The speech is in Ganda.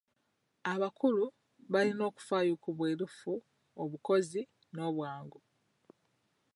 Abakulu balina okufaayo ku bwerufu, obukozi n'obwangu.